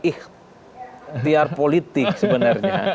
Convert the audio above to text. ikhtiar politik sebenarnya